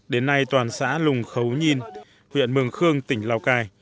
đến nay toàn xã lùng khấu nhiên huyện mường khương tỉnh lào cai